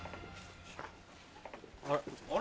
あれ。